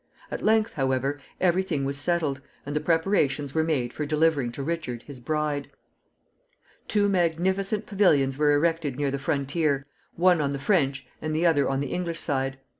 At length, however, every thing was settled, and the preparations were made for delivering to Richard his bride. Two magnificent pavilions were erected near the frontier, one on the French and the other on the English side.